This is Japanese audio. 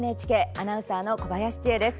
アナウンサーの小林千恵です。